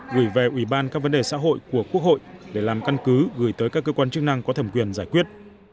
gửi về ủy ban các vấn đề xã hội của quốc hội để làm căn cứ gửi tới các cơ quan chức năng có thẩm quyền giải quyết